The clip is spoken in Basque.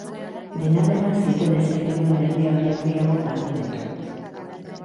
Dena dela, zituen eserlekuen erdia baino gehiago galdu ditu.